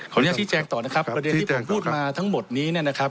ขออนุญาตที่แจงต่อนะครับประเดี๋ยวที่ผมพูดมาทั้งหมดนี้นะครับ